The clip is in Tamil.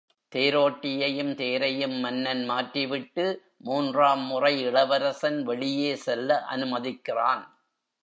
தேரோட்டியையும் தேரையும் மன்னன் மாற்றிவிட்டு மூன்றாம் முறை இளவரசன் வெளியே செல்ல அனுமதிக்கிறான்.